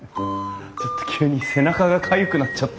ちょっと急に背中がかゆくなっちゃって。